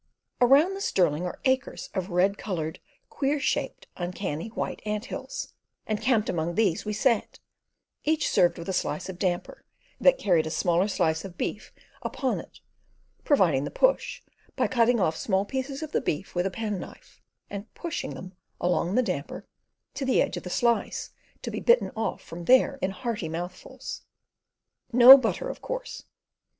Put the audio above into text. Around the Stirling are acres of red coloured, queer shaped uncanny white ant hills, and camped among these we sat, each served with a slice of damper that carried a smaller slice of beef upon it, providing the "push" by cutting off small pieces of the beef with a pen knife, and "pushing" them along the damper to the edge of the slice, to be bitten off from there in hearty mouthfuls. No butter, of course.